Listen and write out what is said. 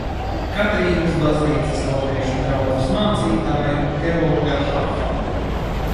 Katrīnas baznīcas latviešu draudzes mācītāja Georga Harfa.